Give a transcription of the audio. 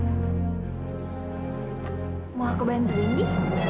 mau aku bantu ndi